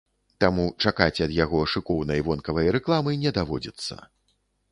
Таму чакаць ад яго шыкоўнай вонкавай рэкламы не даводзіцца.